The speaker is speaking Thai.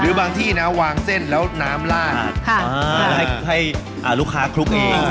บางที่นะวางเส้นแล้วน้ำลาดให้ลูกค้าคลุกเอง